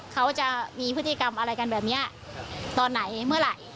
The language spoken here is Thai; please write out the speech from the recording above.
เขาจะมีพฤติกรรมอะไรกันแบบนี้ตอนไหนเมื่อไหร่